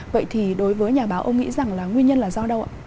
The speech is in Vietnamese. vậy thì đối với nhà báo ông nghĩ rằng là nguyên nhân là do đâu ạ